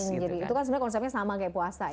jadi itu kan sebenarnya konsepnya sama kayak puasa ya